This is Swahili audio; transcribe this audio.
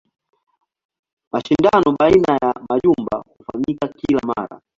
Mashindano baina ya majumba hufanyika kila mara.